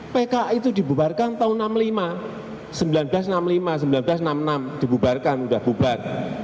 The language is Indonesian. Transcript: pki itu dibubarkan tahun seribu sembilan ratus enam puluh lima seribu sembilan ratus enam puluh lima seribu sembilan ratus enam puluh enam dibubarkan sudah bubar